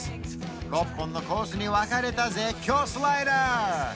６本のコースに分かれた絶叫スライダー